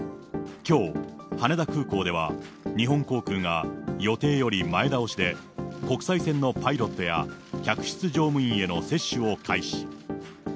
きょう、羽田空港では日本航空が予定より前倒しで、国際線のパイロットや客室乗務員への接種を開始。